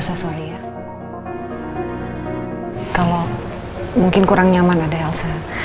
jika elsa berada disini mungkin terlalu disekantdaysih